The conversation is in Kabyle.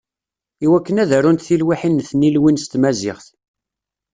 I wakken ad arunt tilwiḥin n tnilwin s tmaziɣt.